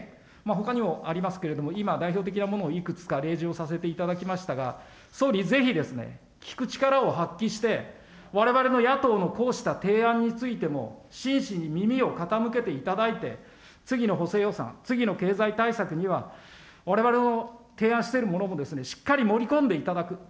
ほかにもありますけれども、今、代表的なものをいくつか例示をさせていただきましたが、総理、ぜひですね、聞く力を発揮して、われわれの野党のこうした提案についても、真摯に耳を傾けていただいて、次の補正予算、次の経済対策には、われわれの提案しているものもしっかり盛り込んでいただく。